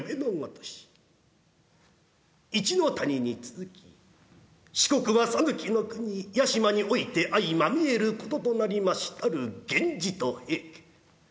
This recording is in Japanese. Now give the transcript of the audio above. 一ノ谷に続き四国は讃岐国屋島において相まみえることとなりましたる源氏と平家。